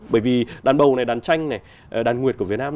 bởi vì đàn bầu này đàn tranh này đàn nguyệt của việt nam